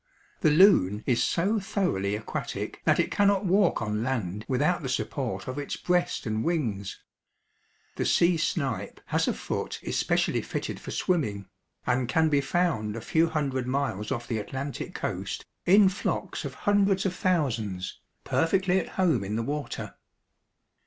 The loon is so thoroughly aquatic that it cannot walk on land without the support of its breast and wings. The sea snipe has a foot especially fitted for swimming, and can be found a few hundred miles off the Atlantic coast in flocks of hundreds of thousands, perfectly at home in the water.